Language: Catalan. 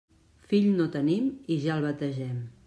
Fill no tenim i ja el bategem.